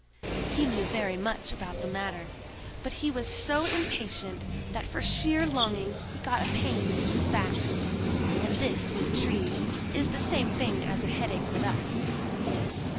He knew very much about the matter! but he was so impatient that for sheer longing he got a pain in his back, and this with trees is the same thing as a headache with us.